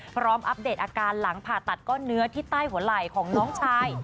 อัปเดตอาการหลังผ่าตัดก้อนเนื้อที่ใต้หัวไหล่ของน้องชาย